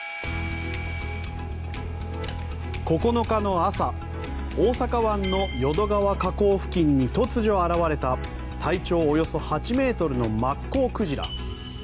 ９日の朝大阪湾の淀川河口付近に突如現れた体長およそ８ｍのマッコウクジラ。